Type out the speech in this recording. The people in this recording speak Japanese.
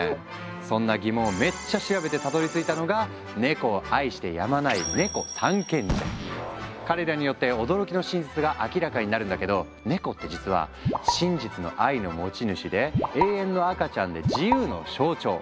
そんな疑問をめっちゃ調べてたどりついたのがネコを愛してやまない彼らによって驚きの真実が明らかになるんだけどネコって実は「真実の愛の持ち主」で「永遠の赤ちゃん」で「自由の象徴」！